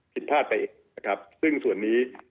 ผิดพลาดไปซึ่งส่วนนี้